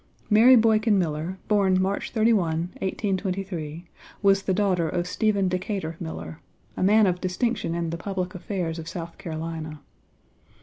Mary Boykin Miller, born March 31, 1823, was the daughter of Stephen Decatur Miller, a man of distinction in the public affairs of South Carolina.